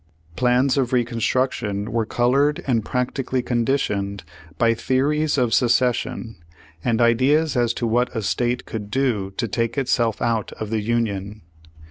Flans of Reconstruction were colored and prac tically conditioned by theories of secession, and ideas as to what a state could do to take itself out of the Union.